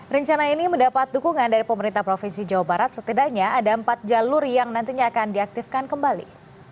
rencana ini mendapat dukungan dari pemerintah provinsi jawa barat setidaknya ada empat jalur yang nantinya akan diaktifkan kembali